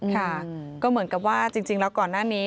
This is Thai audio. ค่ะก็เหมือนกับว่าจริงแล้วก่อนหน้านี้